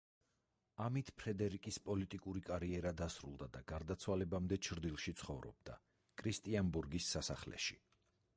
ამით ფრედერიკის პოლიტიკური კარიერა დასრულდა და გარდაცვალებამდე ჩრდილში ცხოვრობდა, კრისტიანსბორგის სასახლეში.